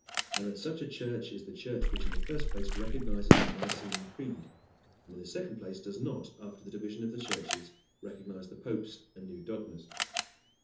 and that such a church is the church which, in the first place, recognizes the Nicene Creed, and in the second place does not, after the division of the churches, recognize the popes and new dogmas.